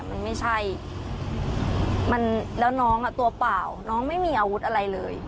มันไม่ใช่มันแล้วน้องอ่ะตัวเปล่าน้องไม่มีอาวุธอะไรเลย